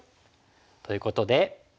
ということで。